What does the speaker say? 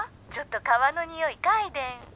ちょっと革のにおい嗅いでん」。